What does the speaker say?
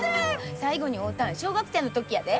最後に会うたん小学生の時やで。